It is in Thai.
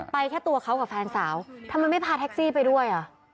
แค่ตัวเขากับแฟนสาวทำไมไม่พาแท็กซี่ไปด้วยอ่ะ